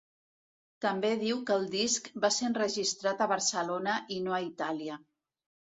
També diu que el disc va ser enregistrat a Barcelona i no a Itàlia.